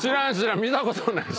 見たことないし。